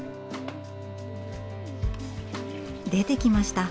出てきました。